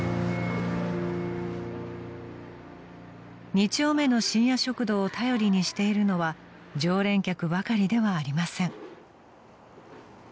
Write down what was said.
［二丁目の深夜食堂を頼りにしているのは常連客ばかりではありません］